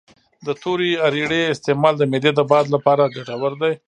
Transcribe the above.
د تورې اریړې استعمال د معدې د باد لپاره ګټور دی